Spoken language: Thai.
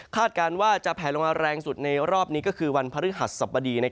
การว่าจะแผลลงมาแรงสุดในรอบนี้ก็คือวันพฤหัสสบดี